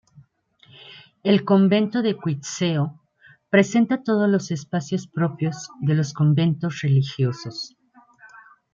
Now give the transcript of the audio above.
El convento de Cuitzeo presenta todos los espacios propios de los conventos de religiosos.